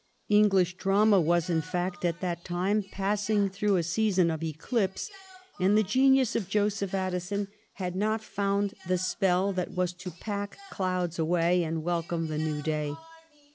English drama was, in fact, at that time passing through a season of eclipse, and the genius of Joseph Addison had not found the spell that was to pack clouds away and welcome the new day.